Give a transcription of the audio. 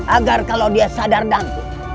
agar kalau dia sadar dan